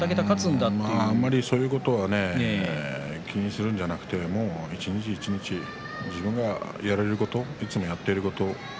あんまりそういうことを気にするのではなく一日一日、自分がやれることいつもやっていること